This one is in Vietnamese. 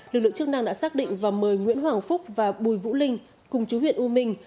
lực lượng chức năng đã xác định và mời nguyễn hoàng phúc và bùi vũ linh cùng chú huyện u minh